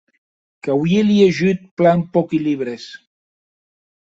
Qu’auie liejut plan pòqui libres.